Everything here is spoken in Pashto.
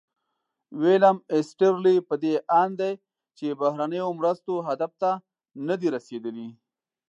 ویلیم ایسټیرلي په دې اند دی چې بهرنیو مرستو هدف ته نه دي رسیدلي.